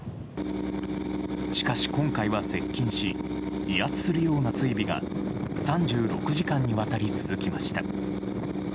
しかし、今回は接近し威圧するような追尾が３６時間にわたり続きました。